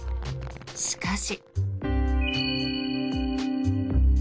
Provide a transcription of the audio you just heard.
しかし。